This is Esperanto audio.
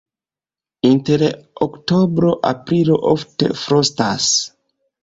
Inter oktobro-aprilo ofte frostas.